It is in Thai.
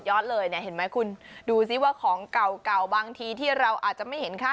เลยเนี่ยเห็นไหมคุณดูซิว่าของเก่าบางทีที่เราอาจจะไม่เห็นค่า